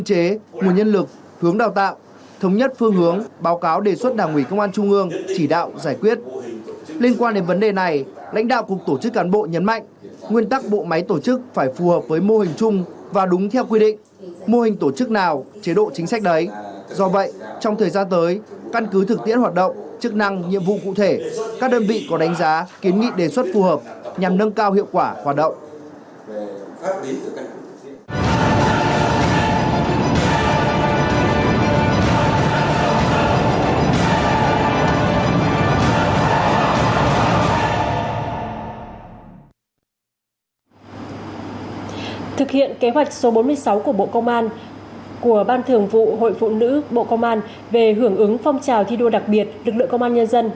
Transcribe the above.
các đơn vị có đánh giá kiến nghị đề xuất phù hợp nhằm nâng cao hiệu quả hoạt động